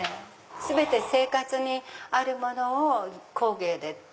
全て生活にあるものを工芸でっていう。